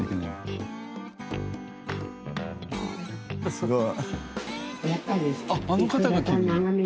すごい。